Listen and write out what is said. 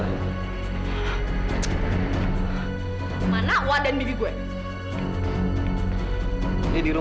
ya ampun mil